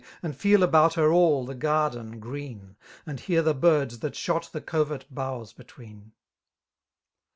And feel about, her all the garden grej3n> • And .hear the birds, that, shot the coyert boughs betnreen.